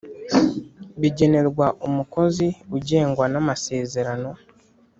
bigenerwa umukozi ugengwa na masezerano